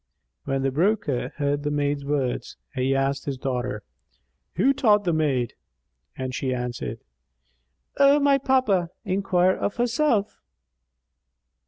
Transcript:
When the broker heard the maid's words, he asked his daughter, "Who taught the maid?"; and she answered, "O my papa, enquire of herself."